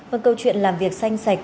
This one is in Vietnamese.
vâng câu chuyện làm việc xanh sạch